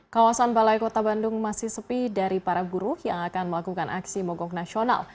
kawasan balai kota bandung masih sepi dari para buruh yang akan melakukan aksi mogok nasional